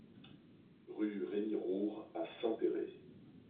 Rue Rémy Roure à Saint-Péray